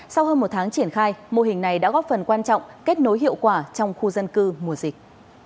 sau hơn một tháng triển khai mô hình này đã góp phần quan trọng kết nối hiệu quả trong khu dân cư mùa dịch